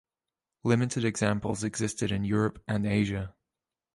Limited examples existed in Europe and Asia.